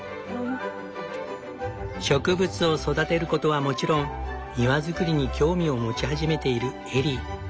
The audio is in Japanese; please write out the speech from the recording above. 植物を育てることはもちろん庭造りに興味を持ち始めているエリー。